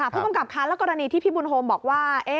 ผู้กำกับคะแล้วกรณีที่พี่บุญโฮมบอกว่า